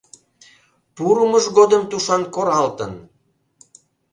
Пурымыж годым тушан коралтын!